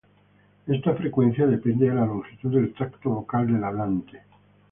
Esta frecuencia depende de la longitud del tracto vocal del hablante.